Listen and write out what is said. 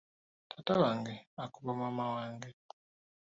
Taata wange akuba maama wange.